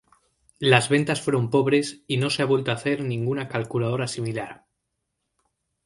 Las ventas fueron pobres, y no se ha vuelto a hacer ninguna calculadora similar.